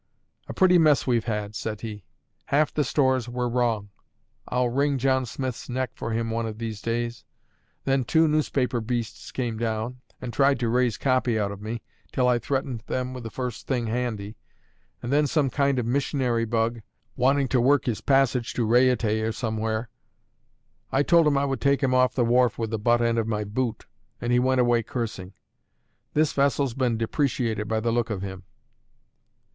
"A pretty mess we've had!" said he. "Half the stores were wrong; I'll wring John Smith's neck for him some of these days. Then two newspaper beasts came down, and tried to raise copy out of me, till I threatened them with the first thing handy; and then some kind of missionary bug, wanting to work his passage to Raiatea or somewhere. I told him I would take him off the wharf with the butt end of my boot, and he went away cursing. This vessel's been depreciated by the look of him."